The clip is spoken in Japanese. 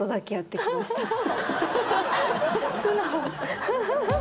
素直。